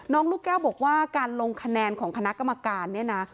ลูกแก้วบอกว่าการลงคะแนนของคณะกรรมการเนี่ยนะ